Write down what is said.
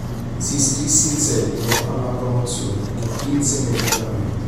Si iscrisse in seguito alla Promozione, che vinse immediatamente.